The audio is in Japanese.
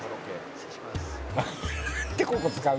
失礼します。